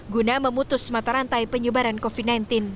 guna memutus mata rantai penyebaran covid sembilan belas